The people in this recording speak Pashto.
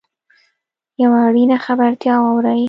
یوه اړینه خبرتیا واورﺉ .